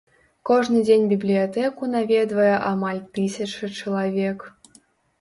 Кожны дзень бібліятэку наведвае амаль тысяча чалавек.